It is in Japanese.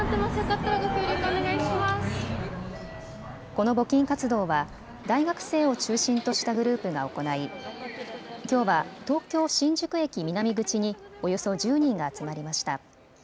この募金活動は大学生を中心としたグループが行いきょうは東京、新宿駅南口におよそ１０人が集まりました。